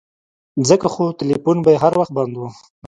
ځکه خو ټيلفون به يې هر وخت بند و.